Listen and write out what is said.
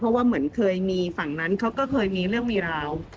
เพราะว่าเหมือนเคยมีฝั่งนั้นเขาก็เคยมีเรื่องมีราว